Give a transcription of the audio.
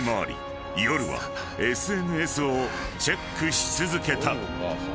夜はＳＮＳをチェックし続けた］